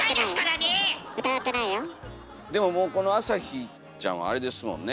でももうこのあさひちゃんはあれですもんね。